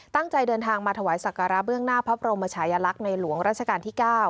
ตั้งใจเดินทางมาถวายสักการะเบื้องหน้าพระบรมชายลักษณ์ในหลวงราชการที่๙